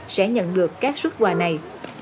sẽ nhận được các xuất quà này